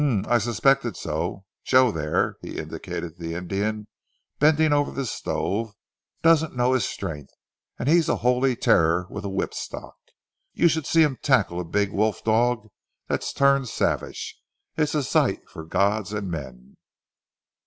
"Um! I suspected so! Joe there," he indicated the Indian bending over the stove, "doesn't know his strength, and he's a holy terror with a whipstock. You should see him tackle a big wolf dog that's turned savage. It's a sight for gods and men!"